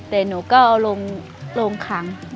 แต่หนูก็ลงคัง